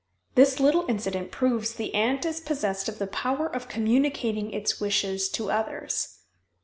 This little incident proves the ant is possessed of the power of communicating its wishes to others.